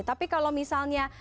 tapi kalau misalnya